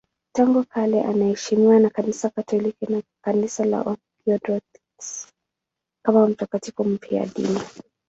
Tangu kale anaheshimiwa na Kanisa Katoliki na Kanisa la Kiorthodoksi kama mtakatifu mfiadini.